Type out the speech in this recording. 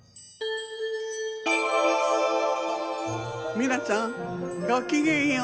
みなさんごきげんよう！